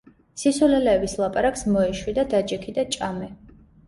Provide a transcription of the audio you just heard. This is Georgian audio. სისულელეების ლაპარაკს მოეშვი და დაჯექი და ჭამე!